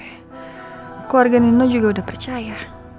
keluarga nino juga udah percaya